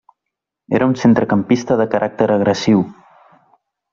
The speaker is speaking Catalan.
Era un centrecampista de caràcter agressiu.